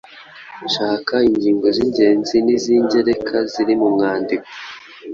Shaka ingingo z’ingenzi n’iz’ingereka ziri mu mwandiko.